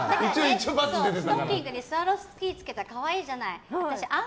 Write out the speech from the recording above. ストッキングにスワロフスキーつけたら可愛いじゃない。